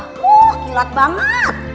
woh gilat banget